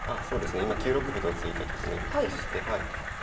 今９六歩と突いた局面でして。